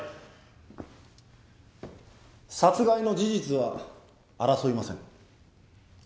殺害の事実は争いません。